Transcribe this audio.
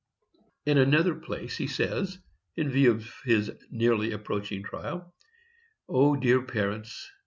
In another place he says, in view of his nearly approaching trial: O dear parents!